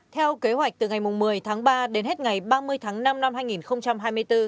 theo kế hoạch từ ngày một mươi tháng ba đến hết ngày ba mươi tháng năm năm hai nghìn hai mươi bốn